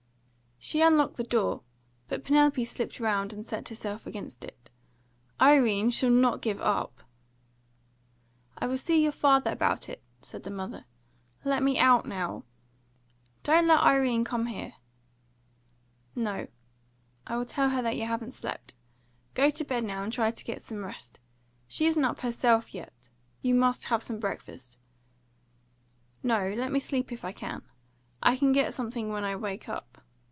She unlocked the door, but Penelope slipped round and set herself against it. "Irene shall not give up!" "I will see your father about it," said the mother. "Let me out now " "Don't let Irene come here!" "No. I will tell her that you haven't slept. Go to bed now, and try to get some rest. She isn't up herself yet. You must have some breakfast." "No; let me sleep if I can. I can get something when I wake up.